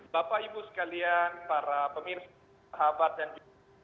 bapak ibu sekalian para pemirsa sahabat dan juga